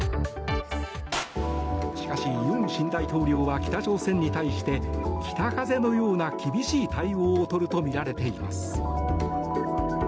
しかし尹新大統領は北朝鮮に対して北風のような厳しい対応をとるとみられています。